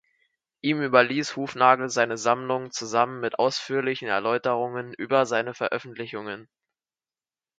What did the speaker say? Ihm überließ Hufnagel seine Sammlung zusammen mit ausführlichen Erläuterungen über seine Veröffentlichungen.